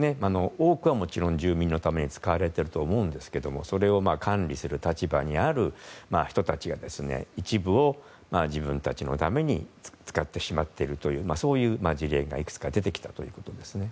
多くはもちろん住民のために使われていると思いますがそれを管理する立場にある人たちが一部を自分たちのために使ってしまっているという事例がいくつか出てきたということです。